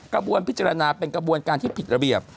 กระบวนพิจารณาเป็นกระบวนการที่ผิดระเบียบ